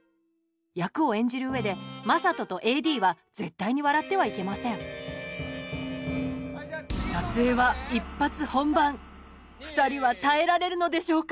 役を演じる上で正門とＡＤは絶対に笑ってはいけません２人は耐えられるのでしょうか？